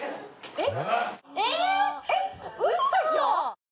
えっ？